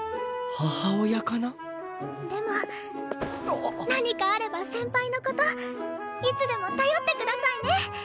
母親かな？でも何かあれば先輩の事いつでも頼ってくださいね！